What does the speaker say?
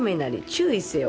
注意せよ。